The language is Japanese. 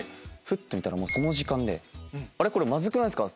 ふと見たらもうその時間でこれまずくないですか？